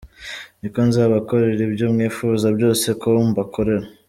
Niko nzabakorera ibyo mwifuza byose ko mbakorera.